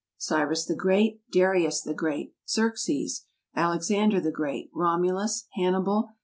Cyrus the Great. Darius the Great. Xerxes. Alexander the Great. Romulus. Hannibal.